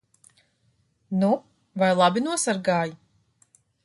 Nu vai labi nosargāji?